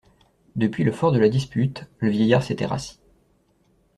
Depuis le fort de la dispute, le vieillard s'était rassis.